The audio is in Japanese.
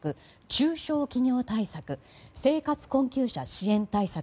中小企業対策生活困窮者支援対策